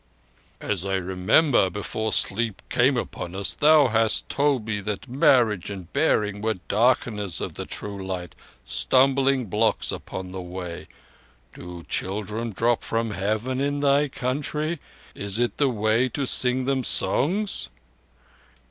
"As I remember, before the sleep came on us, thou hadst told me that marriage and bearing were darkeners of the true light, stumbling blocks upon the Way. Do children drop from Heaven in thy country? Is it the Way to sing them songs?"